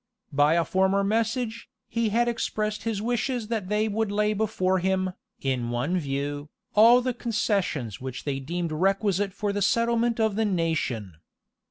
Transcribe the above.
[*] By a former message, he had expressed his wishes that they would lay before him, in one view, all the concessions which they deemed requisite for the settlement of the nation.